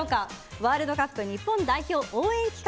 ワールドカップ日本代表応援企画